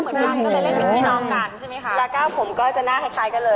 ก็เลยเล่นเป็นพี่น้องกันใช่ไหมคะ